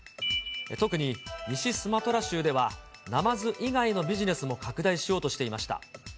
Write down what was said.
特に西スマトラ州では、ナマズ以外のビジネスも拡大しようとしていました。